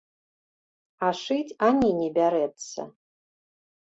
А шыць ані не бярэцца.